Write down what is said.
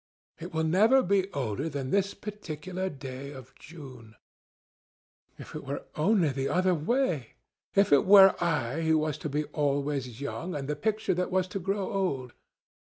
It will never be older than this particular day of June.... If it were only the other way! If it were I who was to be always young, and the picture that was to grow old!